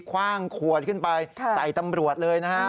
คว่างขวดขึ้นไปใส่ตำรวจเลยนะฮะ